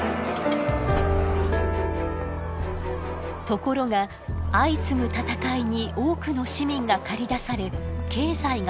ところが相次ぐ戦いに多くの市民が駆り出され経済が混乱。